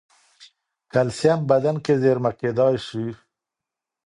کلسیم بدن کې زېرمه کېدای شي.